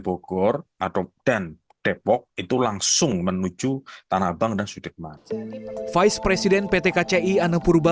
bogor atau dan depok itu langsung menuju tanah abang dan sudirman vice president pt kci ana purba